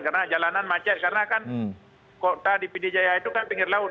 karena jalanan macet karena kan kota di pindijaya itu kan pinggir laut